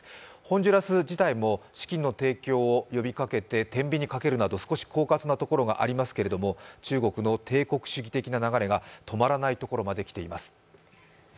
ホンジュラス自体も資金の提供を呼びかけててんびんにかけるなど少しこうかつなところがありますけれども中国の帝国的な流れが止まらないところがあります。